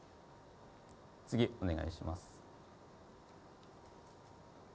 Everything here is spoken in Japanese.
次、お願いします。